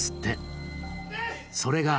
それが。